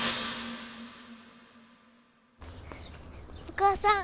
お母さん。